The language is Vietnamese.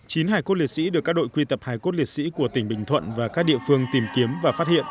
chín hải cốt liệt sĩ được các đội quy tập hải cốt liệt sĩ của tỉnh bình thuận và các địa phương tìm kiếm và phát hiện